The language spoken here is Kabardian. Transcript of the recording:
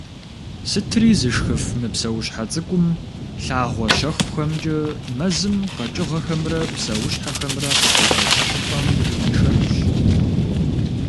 Сытри зышхыф мы псэущхьэ цӏыкӏум лъагъуэ щэхухэмкӏэ мэзым къэкӏыгъэхэмрэ псэущхьэхэмрэ къыщебэкӏ щӏыпӏэм дыхуишэнущ.